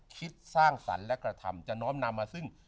คิดสร้างสรรค์และกระทำจะน้อมนำมาซึ่ง